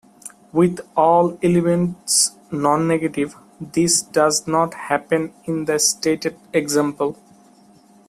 With all elements non-negative, this does not happen in the stated example.